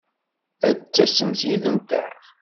Ad d-tasemt yid-nteɣ!